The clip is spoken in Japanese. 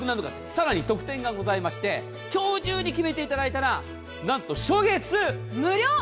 さらに特典がございまして今日中に決めていただいたら無料。